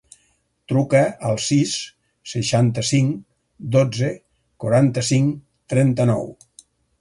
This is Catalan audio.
Truca al sis, seixanta-cinc, dotze, quaranta-cinc, trenta-nou.